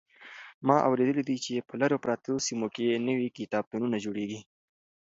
ما اورېدلي دي چې په لرې پرتو سیمو کې نوي کتابتونونه جوړېږي.